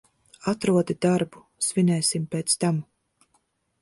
Atrodi darbu, svinēsim pēc tam.